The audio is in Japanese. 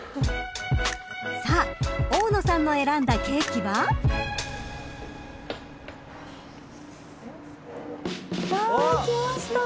［さあ大野さんの選んだケーキは］きました。